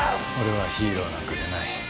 俺はヒーローなんかじゃない。